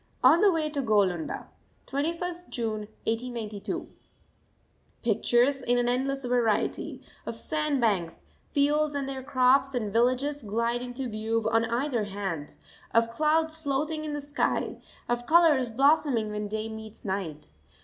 ON THE WAY TO GOALUNDA, 21st June 1892. Pictures in an endless variety, of sand banks, fields and their crops, and villages, glide into view on either hand of clouds floating in the sky, of colours blossoming when day meets night.